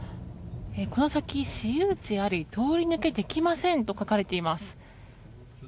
この先私有地あり通り抜けできませんと書かれています。